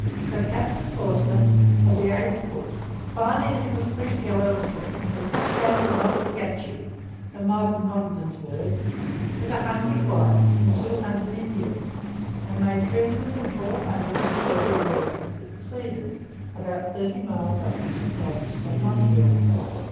So Captain Forster of the 8th Foot, finding that he was free to go elsewhere, had come down from Oswegatchie (the modern Ogdensburg) with a hundred whites and two hundred Indians and made prisoners of four hundred and thirty Americans at the Cedars, about thirty miles up the St Lawrence from Montreal.